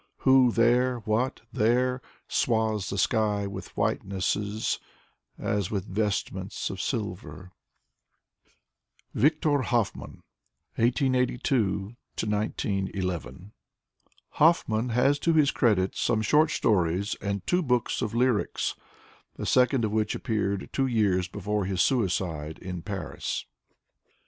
Who, there, what, there, Swathes the sky with whitenesses, As with vestments of silver?" Victor Hofman (1883 Z9ZZ) Hofman has to his credit some short stories and two books of lyrics, the second of which appeared two years before his suicide in Paris.